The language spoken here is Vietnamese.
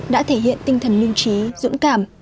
đã thể hiện tinh thần lương trí dũng cảm